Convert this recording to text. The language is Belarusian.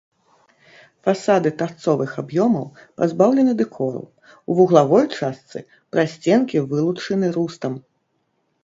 Фасады тарцовых аб'ёмаў пазбаўлены дэкору, у вуглавой частцы прасценкі вылучаны рустам.